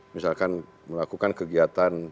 misalkan melakukan kegiatan